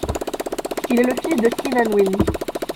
Il est le fils de Keenan Wynn.